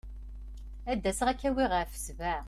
Ad d-aseɣ ad k-awiɣ ɣef sebɛa.